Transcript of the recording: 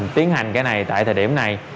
tiến hành cái này tại thời điểm này